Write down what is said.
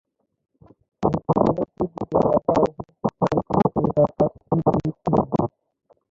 যদি কোনো ব্যক্তি দুটি আলাদা অভিশপ্ত ফল খায় তবে তাৎক্ষনিক তার মৃত্যু ঘটবে।